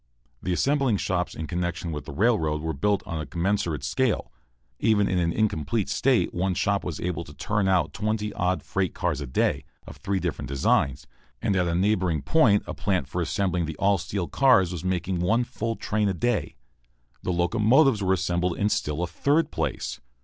The assembling shops in connection with the railroad were built on a commensurate scale. Even in an incomplete state one shop was able to turn out twenty odd freight cars a day, of three different designs, and at a neighboring point a plant for assembling the all steel cars was making one full train a day. The locomotives were assembled in still a third place.